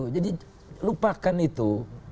jadi lupakan itu